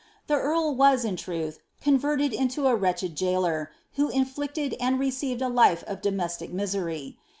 The earl was, in truth, converted into a wretched gaoler, who mflicted and received a life of domestic misery.